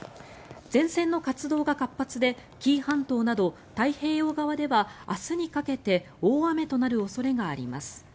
前線の活動が活発で紀伊半島など太平洋側では明日にかけて大雨となる恐れがあります。